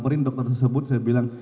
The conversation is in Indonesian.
porin dokter tersebut saya bilang